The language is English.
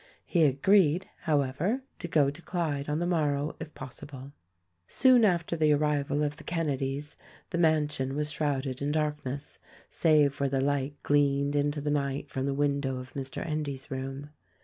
He agreed, however, to go to Clyde on the morrow, if possible. Soon after the arrival of the Kenedy's the mansion was shrouded in darkness, save where the light gleaned into the night from the window of Mr. Endy's room.